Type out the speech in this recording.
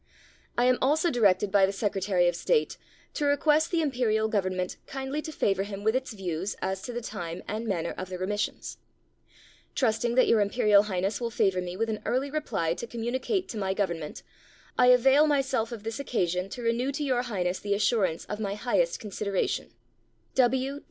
I am also directed by the Secretary of State to request the Imperial Government kindly to favor him with its views as to the time and manner of the remissions. Trusting that Your Imperial Highness will favor me with an early reply to communicate to my Government, I avail myself of this occasion to renew to Your Highness the assurance of my highest consideration.